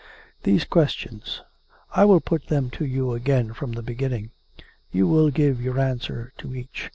"... these questions. I will put them to you again from the beginning. You will give your answer to each.